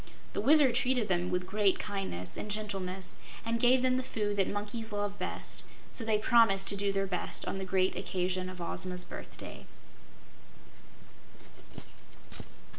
The Wizard treated them with great kindness and gentleness and gave them the food that monkeys love best, so they promised to do their best on the great occasion of Ozma's birthday.